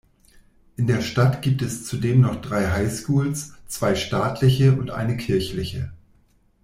In der Stadt gibt es zudem noch drei Highschools, zwei staatliche und eine kirchliche.